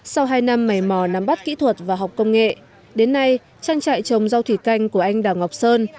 sau hai năm mầy mò nắm bắt kỹ thuật và học công nghệ đến nay trang trại trồng rau thủy canh của anh đào ngọc sơn